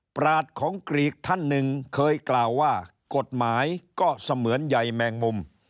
ปราศของกรีกท่านหนึ่งเคยกล่าวว่ากฎหมายก็เสมือนใหญ่แมงมุม